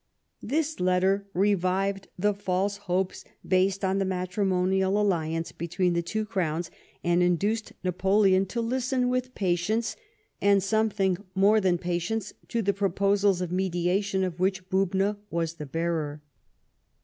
This letter revived the false hopes based on the matrimonial alliance between the two crowns, and induced Napoleon to listen with patience, and something more than patience, to the proposals of mediation of which Bubna was the bearer.